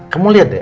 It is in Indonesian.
kamu lihat deh